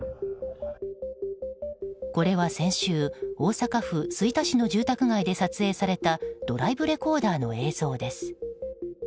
これは先週、大阪府吹田市の住宅街で撮影されたドライブレコーダーの映像です。